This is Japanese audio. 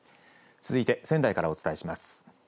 続いて仙台からお伝えします。